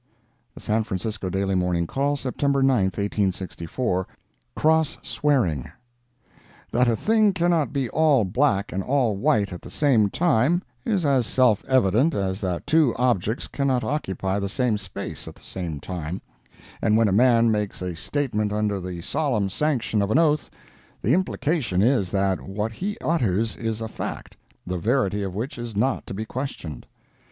The San Francisco Daily Morning Call, September 9, 1864 CROSS SWEARING That a thing cannot be all black and all white at the same time, is as self evident as that two objects can not occupy the same space at the same time, and when a man makes a statement under the solemn sanction of an oath, the implication is that what he utters is a fact, the verity of which is not to be questioned.